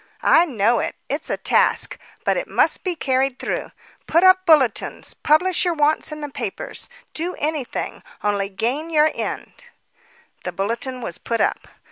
"I know it; it's a task, but it must be carried through. Put up bulletins, publish your wants in the papers; do anything, only gain your end." A bulletin was put up.